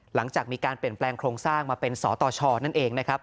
หลังจากมีการเปลี่ยนแปลงโครงสร้างมาเป็นสตชนั่นเองนะครับ